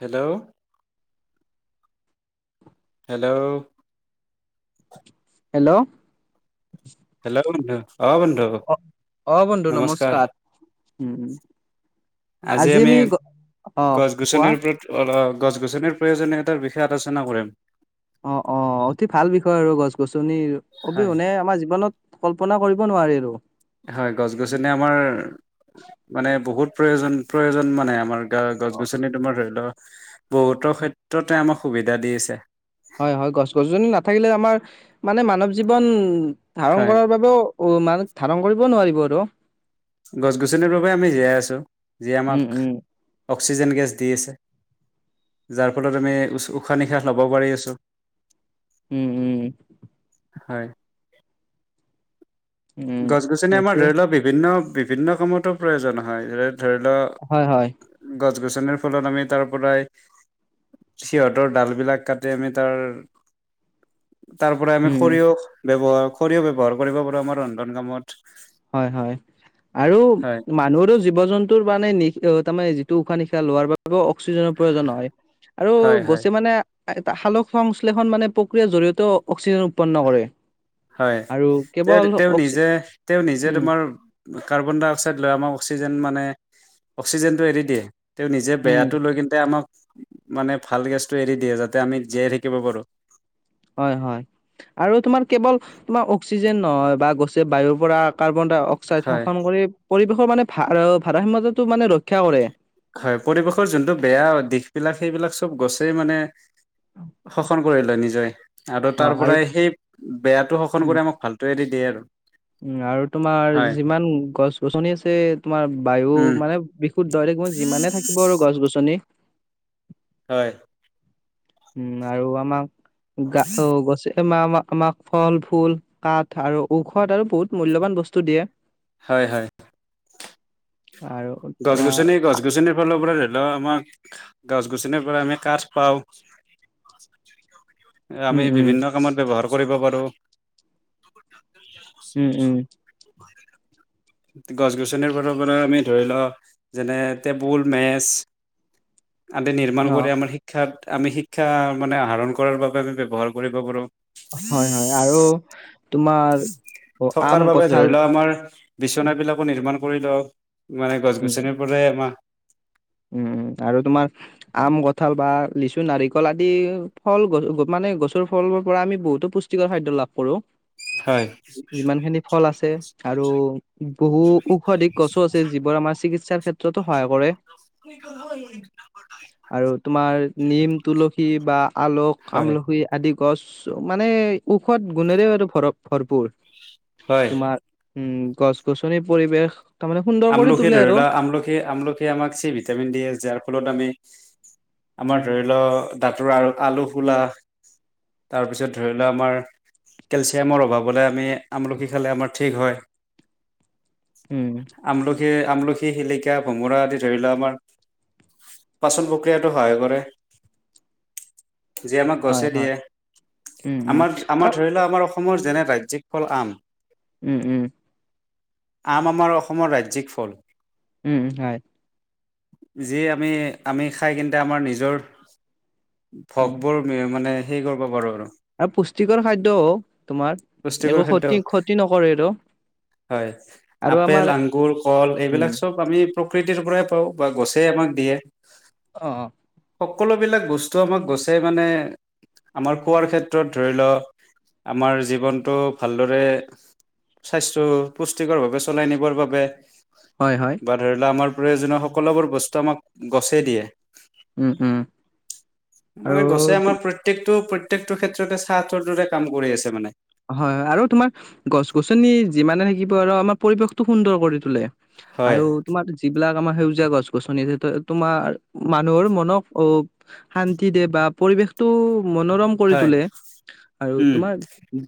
Hello hello hello hello বন্ধু অ বন্ধু অ অ বন্ধু নমস্কাৰ উম। আজি আমি অ গছ কোৱা গছনিৰ ওপৰত গছ গছনিৰ প্ৰয়োজনীয়তাৰ বিষয়ে আলোচনা কৰিম। অঁ অঁ, অতি ভাল বিষয় আৰু গছ গছনিৰ হয় অবিহনে আমাৰ জীৱনত কল্পনা কৰিব নোৱাৰি আৰু। হয় গছ গছনি আমাৰ মানে বহুত প্ৰয়োজন প্ৰয়োজন মানে আমাৰ। গছ গছনি তোমাৰ ধৰি ল বহুতো ক্ষেত্ৰতে আমাক সুবিধা দি আছে। হয় হয় গছ গছনি নাথাকিলে আমাৰ মানে মানৱ জীৱন ধাৰণ হয় কৰাৰ বাবেও অঁ মানে ধাৰণ কৰিব নোৱাৰিব আৰু। গছ গছনিৰ বাবেই আমি জীয়াই আছো, যিয়ে উম আমাক উম অক্সিজেন গেছ দি আছে। যাৰ ফলত আমি উশাহ নিশাহ ল'ব পাৰি আছোঁ। উম উম। হয়। উম গছ গছনিয়ে আমাৰ সেইটোৱে ধৰি লওক বিভিন্ন কামতো প্ৰয়োজন হয় ধৰি লওক হয় হয়। গছ গছনিৰ ফলত আমি তাৰ পৰাই সিহঁতৰ ডাল বিলাক কাটি আমি তাৰ তাৰপৰা আমি উম উম খৰিও ব্যৱহাৰ, খৰিও ব্যৱহাৰ কৰিব পাৰোঁ আমাৰ ৰন্ধন কামত। হয় হয়, আৰু হয় মানুহৰো জী জীৱ জন্তুৰ মানে নিহ অ যিটো উশাহ নিশাহ লোৱাৰ বা অক্সিজেনৰ প্ৰয়োজন হয়, আৰু হয় হয় গছে মানে এটা সালোক সংশ্লেষণ মানে প্ৰক্ৰিয়াৰ জৰিয়তেও অক্সিজেন উৎপন্ন কৰে। হয়, আৰু কেৱল তেওঁ অক্সি নিজে, তেওঁ নিজে উম তোমাৰ কাৰ্বন ডাই অক্সাইড লয় আমাৰ অক্সিজেন মানে অক্সিজেনটো এৰি দিয়ে। তেওঁ নিজে উম বেয়াটো লৈ কিন্তে আমাক মানে ভাল গেছটো এৰি দিয়ে, যাতে আমি জীয়াই থাকিব পাৰোঁ। হয় হয়। আৰু তোমাৰ কেৱল তোমাৰ অক্সিজেন নহয়, বা গছে বায়ুৰ পৰা কাৰ্বন ডাই অক্সাইড হয় শোষণ কৰি পৰিৱেশৰ মানে ভাৰ ভাৰসাম্যটো মানে ৰক্ষা কৰে। হয়, পৰিৱেশৰ যোনটো বেয়া দিশ বিলাক সেইবিলাক চব গছে মানে শোষণ কৰি লয় নিজে, আৰু তাৰপৰাই সেই বেয়াটো শোষন উম কৰি আমাক ভালটো এৰি দিয়ে আৰু। উম আৰু তোমাৰ হয় যিমান গছ গছনি আছে তোমাৰ বায়ু উম মানে বি [unintelligible] যিমানে থাকিব আৰু গছ গছনি হয়। উম আৰু আমাক গা অ গছে আম আম আমাক ফল, ফুল, কাঠ আৰু ঔষধ আৰু বহুত মূল্যৱান বস্তু দিয়ে। হয় হয়। আৰু গছ তোমাৰ গছনি গছ গছনিৰ ফালৰ পৰা ল আমাক গছ গছনিৰ পৰা আমি কাঠ পাওঁ। উম আমি উম বিভিন্ন কামত ব্যৱহাৰ কৰিব পাৰো। উম উম। গছ গছনিবোৰৰ পৰা আমি ধৰি ল যেনে টেবুল, মেচ আদি নিৰ্মাণ অ কৰি আমাৰ শিক ক্ষাত আমি শিক্ষা মানে আহৰণ কৰাৰ বাবে আমি ব্যৱহাৰ কৰিব পাৰোঁ। হয়, হয়। আৰু তোমাৰ অ, আম থকাৰ বাবে ধৰি কঁঠাল ল আমাৰ উম বিচনাবিলাকো নিৰ্মাণ কৰি লওঁ, মানে গছ গছনিৰ পৰাই আমা উম আৰু তোমাৰ আম, কঁঠাল বা লিচু, নাৰিকল আদি ফল গছ মানে গছৰ ফলৰ পৰা আমি বহুতো পুষ্ টি কৰ খাদ্য লাভ কৰোঁ। হয়। যিমান খিনি ফল আছে আৰু বহু ঔষধিক গছো আছে, যিবোৰ আমাৰ চিকিৎসাৰ ক্ষেত্ৰতো সহায় কৰে। [inaudible] আৰু তোমাৰ নিম, তুলসী বা আলস, হয় আমলখি আদি গছ মানে ঔষধ গুণেৰে আৰু ভৰ ভৰপুৰ হয় তোমাৰ উম গছ গছনিৰ পৰিৱেশ তাৰমানে সুন্দৰ কৰি আমলখি তোলে ধৰি আৰু লোৱা আমলখিৱে আমলখিৱে আমাক চি ভিটামিন দিয়ে যাৰ ফলত আমি আমাৰ ধৰি লও দাঁতৰ আ আলু ফুলা তাৰপিছত ধৰি লোৱা আমাৰ কেলচিয়ামৰ অভাৱ হলে আমি আমলখি খালে আমাৰ ঠিক হয়। উম আমলখি আমলখি, শিলিকা, ভোমোৰা আদি ধৰি লোৱা আমাৰ পাচন প্ৰক্ৰিয়াটো সহায় কৰে। যি আমাক হয় গছে হয় দিয়ে, উম উম আমাৰ আৰু আমাৰ ধৰি লোৱা আমাৰ অস অসমৰ যেনে ৰাজ্যিক ফল আম উম উম। আম আমাৰ অসমৰ ৰাজ্যিক ফল। উম হয়। যি আমি আমি খায় কিন্তে আমাৰ নিজৰ উম ভকবোৰ মানে হেই কৰব পাৰো আৰু আৰু পুষ্টিকৰ খাদ্যও তোমাৰ পুষ্টিকৰ একো খাদ্য ক্ষতি ক্ষতি নকৰে আৰু। হয়। আৰু আপেল, আমাৰ আঙুৰ, কল উম এইবিলাক চব আমি প্ৰকৃতিৰ পৰাই পাওঁ বা গছেই আমাক দিয়ে। অঁ অঁ। সকলোবিলাক বস্তু আমাক গছে মানে আমাৰ খোৱাৰ ক্ষেত্ৰত ধৰি ল, আমাৰ জীৱনটো ভালদৰে স্বাস্থ্য পুষ্টিকৰ ভাৱে চলাই নিবৰ বাবে হয় হয়। বা ধৰি ল আমাৰ প্ৰয়োজনীয় সকলোবোৰ বস্তু আমাক গছেই দিয়ে। উম উম আৰু মানে গছে আমাৰ তো- প্ৰত প্ৰত্যেকটো প্ৰত্যেকটো ক্ষেত্ৰতে ছা টোৰ দৰে কাম কৰি আছে মানে। হয়, হয়, আৰু তোমাৰ গছ-গছনি যিমানে থাকিব আৰু আমাৰ পৰিৱেশটো সুন্দৰ কৰি তোলে। হয় আৰু তোমাৰ যিবিলাক আমাৰ সেউজীয়া গছ- গছনি আছে সেইটো, তোমাৰ মানুহৰ মনক অ শান্তি দিয়ে বা পৰিৱেশটো মনোৰম কৰি হয় তোলে, আৰু উম তোমাৰ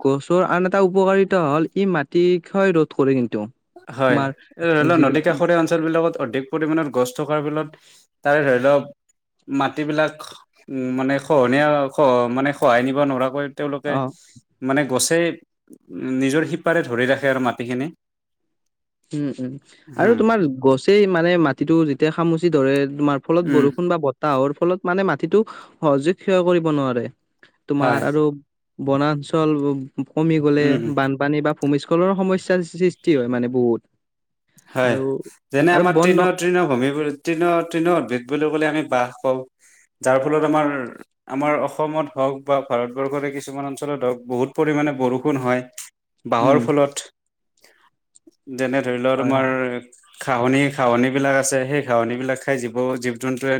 গছৰ আন এটা উপকাৰিতা হ'ল ই মাটি ক্ষয় ৰোধ কৰে কিন্তু। হয়, তোমাৰ এতিয়া ধৰি লোৱা, নদী যিবিলাক কাষৰীয়া অঞ্চল বিলাকত অধিক পৰিমাণত গছ থকাৰ ফলত, তাৰে ধৰি লওঁক মাটিবিলাক খ, উ মানে খহনীয়া খ মানে খহাই নিব নোৱাৰাকৈ তেওঁলোকে অ মানে গছেই উম, নিজৰ শিপাৰে ধৰি ৰাখে আৰু মাটিখিনি। উম, উম। আৰু হম তোমাৰ গছেই মানে মাটিটো যেতিয়া খামুচি ধৰে তোমাৰ ফলত উম বৰষুণ বা বতাহৰ ফলত, মানে মাটিটো সহজে ক্ষয় কৰিব নোৱাৰে। হয় তোমাৰ আৰু বনাঞ্চল উব কমি গ'লে উম বান পানী বা ভূমিস্খলনৰ সমস্যা সৃ-সৃষ্টি হয় মানে বহুত। হয়। আৰু যেনে আৰু আমাৰ বন্ধ ট্ৰেইনত তৃণ ভূমিবোৰ, তৃণ-তৃণ উদ্ভিদ বুলি ক'লে, আমি বাঁহ কওঁ, যাৰ ফলত আমাৰ আমাৰ অসমত হওঁক বা ভাৰতবৰ্ষৰে কিছুমান অঞ্চলত হওঁক, বহুত পৰিমাণে বৰষুণ হয়। উম বাঁহৰ ফলত, যেনে ধৰিলোৱা, হয় হয় তোমাৰ ঘাঁহনি-ঘাঁহনিবিলাক আছে, সেই ঘাঁহনিবিলাক খায় জীৱ-জীৱ-জন্তুৱে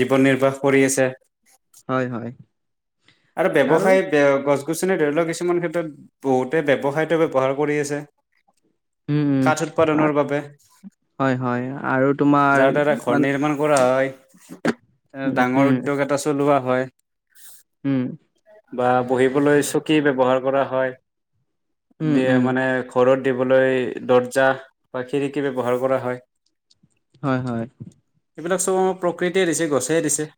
জীৱন নিৰ্বাহ কৰি আছে। হয়, হয়। আৰু ব্যৱসায় বে, অহ, গছ-গছনি ধৰিলোৱা কিছুমান ক্ষেত্ৰত বহুতে ব্যৱসায়টো ব্যৱহাৰ কৰি আছে। উম কাঠ উম উৎপাদনৰ বাবে। হয় হয় আৰু তোমাৰ যাৰ দ্বাৰা ঘৰ মানে নিৰ্মাণ কৰা হয়। এ উম ডাঙৰ উম উদ্যোগ এটা চলোৱা হয়। উম। বা বহিবলৈ চকী ব্যৱহাৰ কৰা হয়, উম দিয়ে উম মানে ঘৰত দিবলৈ দৰ্জা বা খিৰিকী ব্যৱহাৰ কৰা হয়। হয়, হয়। এইবিলাক চব আমাৰ প্ৰকৃতিয়ে দিছে, গছেই দিছে।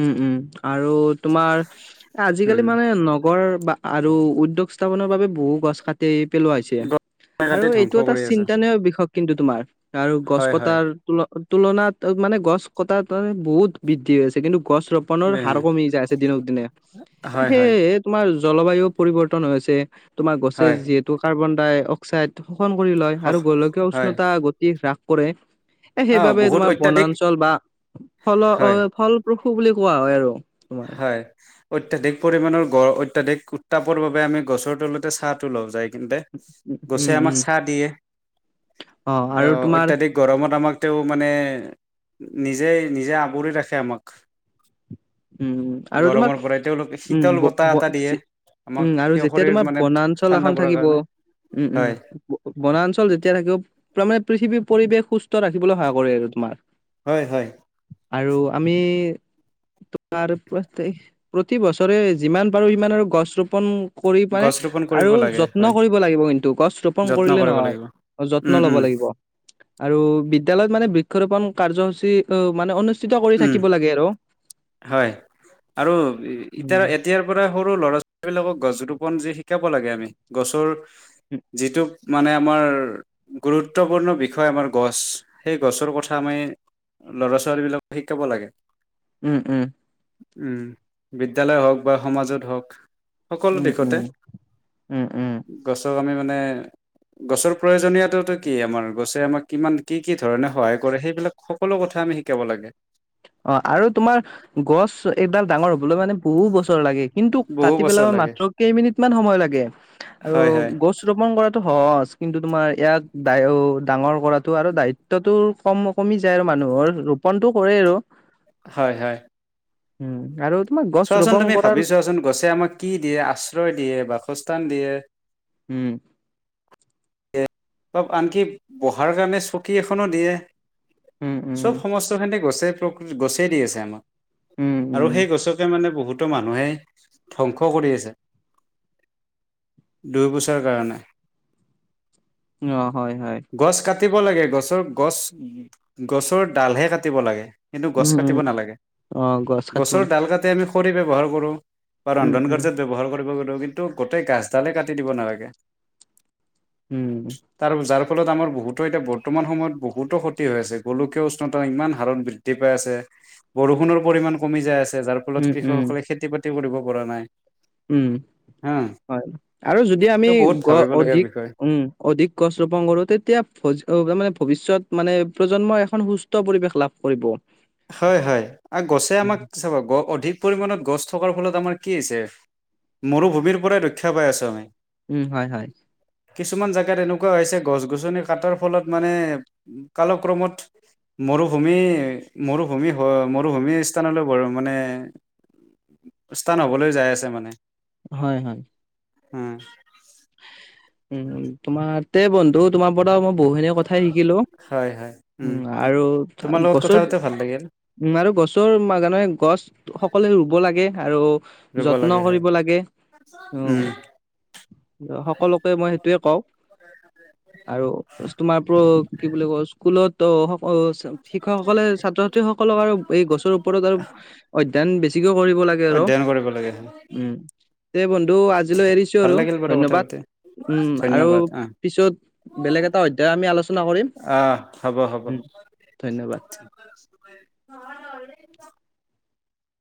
উম', উম' আৰু তোমাৰ এ উম আজিকালি মানে নগৰ বা আৰু উদ্যোগ স্থাপনৰ বাবে বহু গছ কাটি পেলোৱা হৈছে। গছ আৰু কাটি ধ্বংস এইটো এটা কৰি আছে চিন্তানীয় বিষয় কিন্তু তোমাৰ আৰু গছ হয় হয় কটাৰ তুল-তুলনাত মানে গছ কটাত মানে বহুত বৃদ্ধি হৈ আছে কিন্তু, গছ এ ৰোপণৰ হাৰ কমি যায় আছে দিনক দিনে। এ হয় হয় সেয়েহে তোমাৰ জলবায়ু পৰিৱৰ্তন হৈছে, তোমাৰ গছে হয় যিহেতু কাৰ্বন-ডাই-অক্সাইড অক্সাইড শোষণ কৰি লয় সঁচ আৰু গোলকীয় হয় উষ্ণতা গতি হ্ৰাস কৰে। এ অ সেইবাবে বহুত তোমাৰ অত্যাধিক বনাঞ্চল বা ফল হয় অ' ফল পশু বুলি কোৱা হয় আৰু তোমাৰ। হয়। অত্যাধিক পৰিমণৰ গ', অত্যাধিক উত্তাপৰ বাবে আমি গছৰ তলতে ছাঁটো লওঁ যায়। কিন্তে, উম, উম, গছে উম, আমাক ছাঁ দিয়ে, অ' আৰু অহ তোমাৰ অত্যাধিক গৰমত আমাক তেওঁ মানে, নিজেই-নিজে আৱৰি ৰাখে আমাক। উম, আৰু গৰমৰ তোমাক, পৰাই তেওঁলোকে উম শীতল [unintelligible] বতাহ এটা দিয়ে আমাক উম, আৰু সেই যেতিয়া শৰীৰ তোমাৰ মানে বনাঞ্চল ঠাণ্ডা এখন পৰাৰ থাকিব। কাৰণে উম', হয় উম'। ব-বনাঞ্চল যেতিয়া থাকিব, পুৰা মানে পৃথিৱীৰ পৰিৱেশ সুস্থ ৰাখিবলৈ সহায় কৰে আৰু তোমাৰ। হয়, হয়। আৰু আমি আমাৰ প্ৰত্যেক, প্ৰতি বছৰে যিমান পাৰোঁ, সিমান আৰু গছ ৰোপন কৰি পেলাই গছ ৰোপন কৰিব আৰু লাগে যত্ন হয় কৰিব কিন্তু, গছ ৰোপন যত্ন কৰিলে কৰিব নহয়। লাগিব যত্ন উম ল'ব উম লাগিব। আৰু বিদ্যালয়ত মানে বৃক্ষৰোপণ কাৰ্যসূচী ত' মানে অনুষ্ঠিত কৰি উম থাকিব লাগে আৰু। হয় আৰু ইটাৰ এট উম। এতিয়াৰ পৰা সৰু ল'ৰা-ছোৱালীবিলাকক গছ ৰোপণ যে শিকাব লাগে আমি, গছৰ যিটো মানে আমাৰ গুৰুত্বপূৰ্ণ বিষয় আমাৰ গছ, সেই গছৰ কথা আমি ল'ৰা-ছোৱালীবিলাক শিকাব লাগে। উম', উম'। উম, বিদ্যালয় হওঁক বা সমাজত হওঁক। সকলো উম দিশতে, উম উম উম গছক আমি মানে গছৰ প্ৰয়োজনীয়তাটো কি আমাৰ গছে আমাক কিমান কি কি ধৰণে সহায় কৰে সেইবিলাক সকলো কথা আমি শিকাব লাগে। অ আৰু তোমাৰ গছ এডাল ডাঙৰ হবলৈ মানে বহুত বছৰ লাগে কিন তু বহু কাটি পেলাব বছৰ লাগে মাত্ৰ কেইমিনিটমান সময় লাগে আৰু হয় হয় গছ ৰোপণ কৰাটো সহজ কিন্তু তোমাৰ ইয়াক ডায়ো ডাঙৰ কৰাটো আৰু দায়িত ত্বটো কম কমি যায় আৰু মানুহৰ ৰোপণটো কৰে আৰু। হয় হয়। উম আৰু তোমাৰ গছ চোৱাচোন ৰোপন তুমি কৰাৰ ভাবি চোৱাচোন গছে আমাক কি দিয়ে? আশ্ৰয় দিয়ে, বাসস্থান দিয়ে। উম। বা আনকি বহাৰ কাৰণে চকী এখনো দিয়ে। উম চব উম সমস্তখিনতে গছে তোক ওম গছে দি আছে আমাক। উম আৰু উম সেই গছকে মানে বহুত টো মানুহেই ধ্বংস কৰি আছে, দুই পইচাৰ কাৰণে। অ হয় হয়। গছ কাটিব লাগে, গছৰ গছ গছৰ ডালহে কাটিব লাগে। কিন্তু গছ উম কাটিব উম নালাগে। অ গছ কাটিব গছৰ না ডাল কাটি আমি খৰি ব্যৱহাৰ কৰোঁ বা উম ৰন্ধন উম কাৰ্যত ব্যৱহাৰ কৰিব পাৰোঁ কিন্তু গোটেই গাছডালে কাটি দিব নালাগে। উম। কাৰণ যাৰ ফলত আমাৰ বহুতো এতিয়া বৰ্তমান সময়ত বহুতো ক্ষতি হৈ আছে গোলকীয় উষ্ণতা ইমান হাৰণ বৃদ দ্ধি পাই আছে, বৰষুণৰ পৰিমাণ কমি যায় আছে যাৰ উম ফলত উম কৃষকসকলে খেতি - বাতি কৰিব পৰা নাই। উম, হা হয় আৰু যদি আমি ত বহুত গ ভাবিবলগীয়া অধিক বিষয় উম অধিক গছ ৰোপণ কৰোঁ তেতিয়া [unintelligible] ভৱিষ্যত মানে প্ৰজন্ম এখন সুস ত পৰিৱেশ লাভ কৰিব। হয় হয় আৰু গছে আমাক চাব গ অধিক পৰিমাণত গছ থকাৰ ফলত আমাৰ কি হৈছে? মৰুভূমিৰ পৰাই ৰক্ষা পাই আছোঁ আমি। উম হয় হয়। কিছুমান জাগাত এনেকুৱা হৈছে গছ - গছনি কাটাৰ ফলত মানে কালক্ৰমত মৰুভূমি, মৰুভূমি হয় মৰুভূমি স্থানলৈ গ'ল মানে স্থান হবলৈ যাই আছে মানে। হয় হয়। উম। উম উম তোমাৰ তে বন্ধু তোমাৰ পৰা মোক বহুখিনি কথাই শিকিলোঁ, হয় হয় উম আৰু তা তোমাৰ লগত কথা গছত পাতি ভাল আ লাগিল উম আৰু গছৰ বাগানে গছ সকলোৱে ৰুব লাগে আৰু ৰুব যত্ন লাগে হয় কৰিব লাগে। উম। অ সকলোকে মই সেইটোয়ে কওঁ আৰু স্তমা প্ৰ কি বুলি কয় স্কুলত ত' সকল ছা শিক্ষকসকলে ছাত্ৰ - ছাত্ৰীসকলক আৰু এই গছৰ ওপৰত আৰু অধ্যয়ন বেছিকে কৰিব লাগে আৰু। অধ্যয়ন কৰিব লাগে হয়। উম, এই বন্ধু আজিলৈ এৰিছো ভাল আৰু। লাগিল বাৰু কথা ধন্যবাদ, পাতি উম আৰু ধন্যবাদ আহ পিছত বেলেগ এটা অধ্যায় আমি আলোচনা কৰিম, আহ হ'ব হ'ব উম ধন্যবাদ।